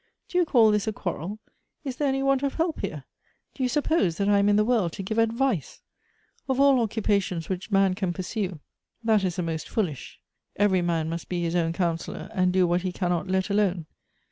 Do you call this a quarrel ? Is there any want of help here ? Do you suppose that I am in the world to give advice f Of all occupations which man can pursue, that is the most foolish. Every man must be his own counsellor, and do what he cannot let alone.